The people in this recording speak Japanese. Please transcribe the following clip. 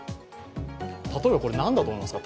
例えば、これ何だと思いますか？